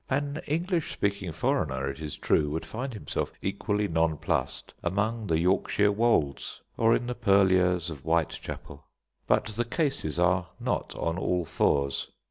An English speaking foreigner, it is true, would find himself equally nonplussed among the Yorkshire wolds, or in the purlieus of Whitechapel; but the cases are not on all fours.